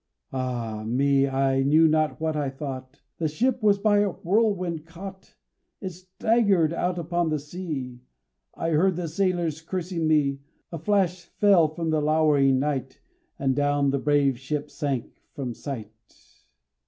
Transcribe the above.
Ah, me! I knew not what I thought. The ship was by a whirlwind caught. It staggered out upon the sea I heard the sailors cursing me; A flash fell from the lowering night, And down the brave ship sank from sight.